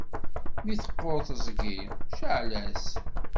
Mi teqquṛ teẓgi, cɛel-as!